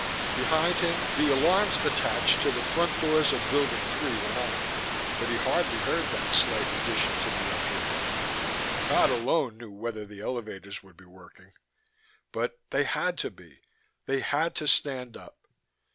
Behind him the alarms attached to the front doors of Building Three went off, but he hardly heard that slight addition to the uproar. God alone knew whether the elevators would be working ... but they had to be, they had to stand up.